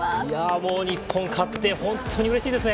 もう日本勝って本当にうれしいですね。